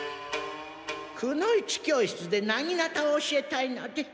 くの一教室で薙刀を教えたいので。